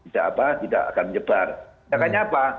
tidak akan menyebar tindakannya apa